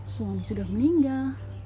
suami sudah meninggal